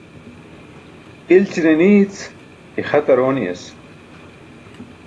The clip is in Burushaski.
İlći̇ne ni̇i̇c, ixatar ooni̇yas.